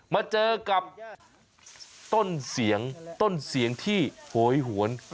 มาเจอกับต้นเสียงต้นเสียงที่โหยหวน